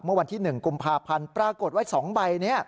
เมื่อวันที่๑กุมภาพันธ์ปรากฏว่า๒ใบนี้